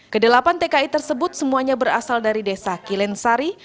kedelapan tki tersebut semuanya berasal dari desa kilensari